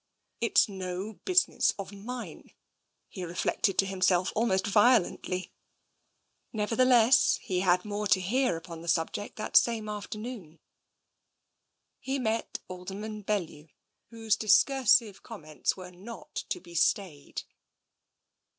" It's no business of mine," he reflected to him self, almost violently. Nevertheless, he had more to hear upon the sub ject that same afternoon. He met Alderman Bellew, whose discursive com ments were not to be stayed.